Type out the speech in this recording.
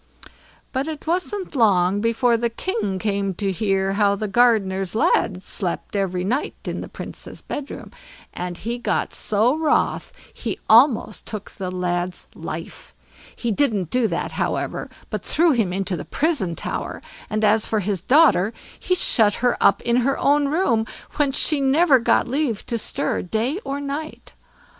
But it wasn't long before the King came to hear how the gardener's lad slept every night in the Princess' bedroom; and he got so wroth he almost took the lad's life. He didn't do that, however, but threw him into the prison tower; and as for his daughter, he shut her up in her own room, whence she never got leave to stir day or night.